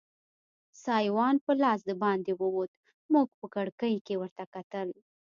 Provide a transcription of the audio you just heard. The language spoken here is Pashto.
سایوان په لاس دباندې ووت، موږ په کړکۍ کې ورته کتل.